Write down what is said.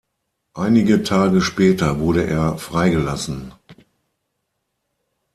Einige Tage später wurde er freigelassen.